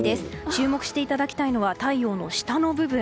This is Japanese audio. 注目していただきたいのが太陽の下の部分。